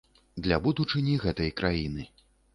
Для будучыні гэтай краіны.